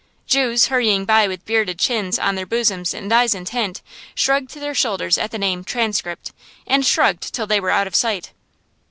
Jews, hurrying by with bearded chins on their bosoms and eyes intent, shrugged their shoulders at the name "Transcript," and shrugged till they were out of sight.